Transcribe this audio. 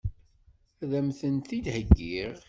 Ad m-tent-id-heggiɣ?